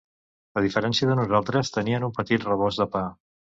A diferència de nosaltres, tenien un petit rebost de pa